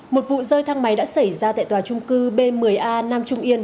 một vụ rơi thang máy đã xảy ra tại tòa trung cư b một mươi a nam trung yên